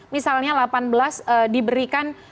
misalnya delapan belas diberikan